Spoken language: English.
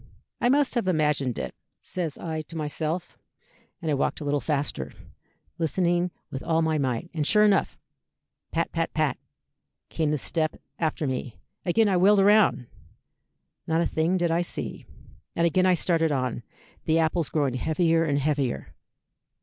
'I must have imagined it,' says I to myself, and I walked a little faster, listening with all my might, and sure enough pat, pat, pat, came the step after me. Again I wheeled round. Not a thing did I see. And again I started on, the apples growing heavier and heavier.